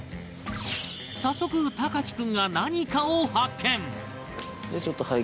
早速、隆貴君が何かを発見！